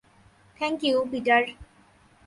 Thank you, Peter.